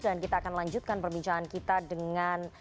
dan kita akan lanjutkan perbincangan kita dengan